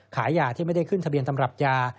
ขายยาที่ไม่ได้ขึ้นทะเบียนตำรับยา